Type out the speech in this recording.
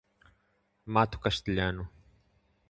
Mato Castelhano